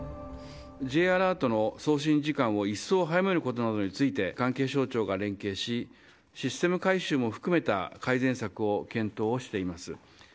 Ｊアラートの送信時間を一層早めることなどについて、関係省庁が連携し、システム改修も含めた改善策を検討をしています。